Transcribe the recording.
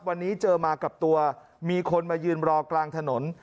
วันนี้เจอมากับตัวมีคนมายืนรอกลางถนน